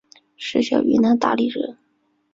石晓云南大理人。